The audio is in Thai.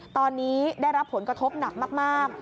ตอนนี้ได้รับผลกระทบหนักมาก